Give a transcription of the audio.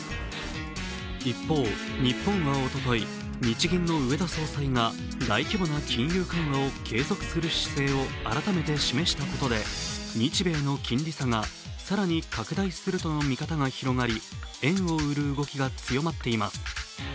一方、日本はおととい、日銀の植田総裁が大規模な金融緩和を継続する姿勢を改めて示したことで日米の金利差が更に拡大するとの見方が広がり、円を売る動きが強まっています。